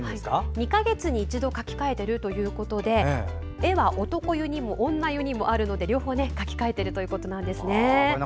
２か月に一度描き変えているということで絵は男湯にも女湯にもあるので両方描き変えているということです。